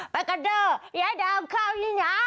ไปกันเถอะเดี๋ยวเดินเข้าอย่างนั้น